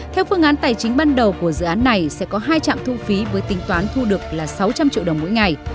theo phương án tài chính ban đầu của dự án này sẽ có hai trạm thu phí với tính toán thu được là sáu trăm linh triệu đồng mỗi ngày